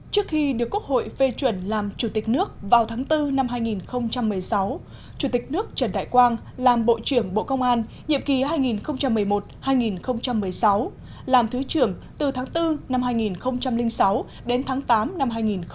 trước khi được quốc hội phê chuẩn làm chủ tịch nước vào tháng bốn năm hai nghìn một mươi sáu chủ tịch nước trần đại quang làm bộ trưởng bộ công an nhiệm kỳ hai nghìn một mươi một hai nghìn một mươi sáu làm thứ trưởng từ tháng bốn năm hai nghìn sáu đến tháng tám năm hai nghìn một mươi tám